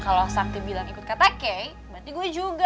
kalau sakti bilang ikut kata kek berarti gue juga